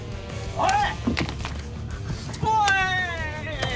おい。